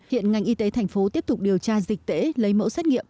hiện ngành y tế thành phố tiếp tục điều tra dịch tễ lấy mẫu xét nghiệm